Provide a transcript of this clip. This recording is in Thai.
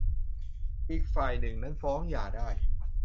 อีกฝ่ายหนึ่งนั้นฟ้องหย่าได้